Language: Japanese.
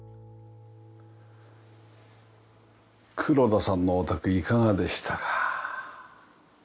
黒田さんのお宅いかがでしたか？